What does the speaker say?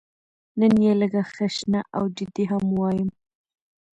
نن یې لږه خشنه او جدي هم وایم.